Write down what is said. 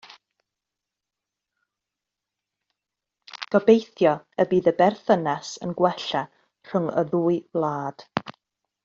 Gobeithio y bydd y berthynas yn gwella rhwng y ddwy wlad.